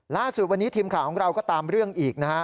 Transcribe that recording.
ล่าสุดวันนี้ทีมข่าวของเราก็ตามเรื่องอีกนะฮะ